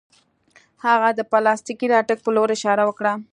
هغه د پلاستیکي راکټ په لور اشاره وکړه